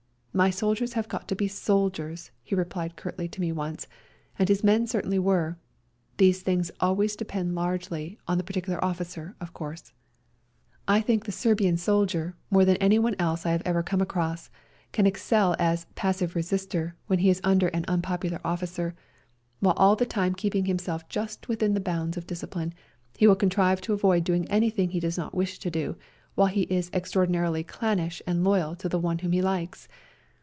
" My soldiers have got to be soldiers,^ ^ he replied curtly to me once, and his men certainly were. These things always depend largely on the j)articular officer, of course. I think the A SERBIAN AMBULANCE 43 Serbian soldier, more than anyone else I have ever come across, can excel as a " passive resister " when he is under an unpopular officer ; while all the time keeping himself just within the bounds of discipline, he will contrive to avoid doing anything he does not wish to do, while he is extraordinarily " clannish " and loyal to one whom he likes.